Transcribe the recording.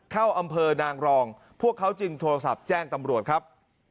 เข้าอำเภอนางรองพวกเขาจึงโทรศัพท์แจ้งตำรวจครับ